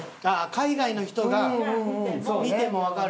海外の人が見てもわかる。